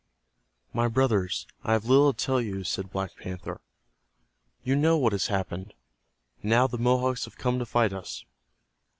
"My brothers, I have little to tell you," said Black Panther. "You know what has happened. Now the Mohawks have come to fight us.